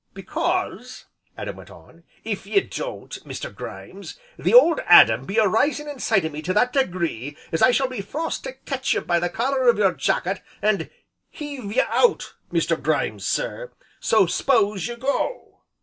"Because," Adam went on, "if ye don't go, Mister Grimes, the 'Old Adam' be arising inside o' me to that degree as I shall be forced to ketch you by the collar o' your jacket, and heave you out, Mr. Grimes, sir, so s'pose you go."